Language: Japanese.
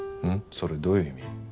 それどういう意味？